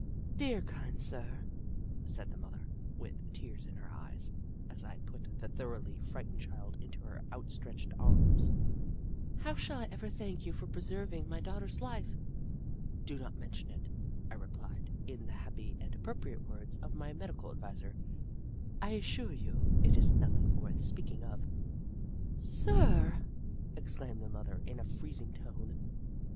Dear sir, kind sir," said the mother, with tears in her eyes, as I put the thoroughly frightened child into her outstretched arms, " how shall I ever thank you for preserving my daughter's life !"" Do not mention it," I replied, in the happy and appropriate words of my medical adviser ;" I assure you, it is nothing worth speaking of." " Sir r r r !" exclaimed the mother, in a freez ing tone.